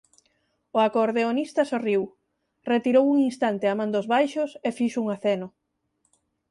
O acordeonista sorriu, retirou un instante a man dos baixos e fixo un aceno.